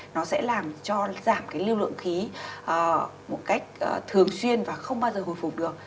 nó sẽ làm cho giảm cái lưu lượng khí một cách thường xuyên và không bao giờ hồi phục được